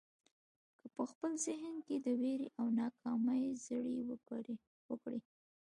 که په خپل ذهن کې د وېرې او ناکامۍ زړي وکرئ.